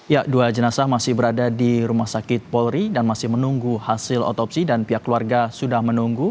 ya dua jenazah masih berada di rumah sakit polri dan masih menunggu hasil otopsi dan pihak keluarga sudah menunggu